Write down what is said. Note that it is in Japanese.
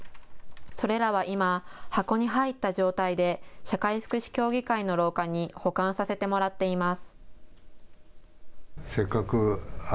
それらは今、箱に入った状態で社会福祉協議会の廊下に保管させてもらっています。